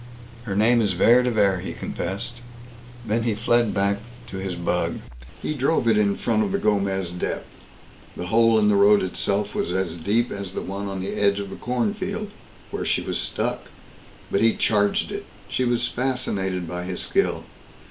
"Her name is Vere de Vere!" he confessed. Then he fled back to his bug. He drove it in front of the Gomez Dep. The hole in the road itself was as deep as the one on the edge of the cornfield, where she was stuck, but he charged it. She was fascinated by his skill.